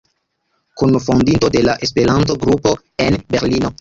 Kunfondinto de la Esperanto-Grupo en Berlino.